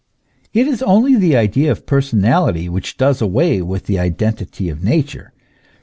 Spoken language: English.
It is only the idea of personality which does away with the identity of nature.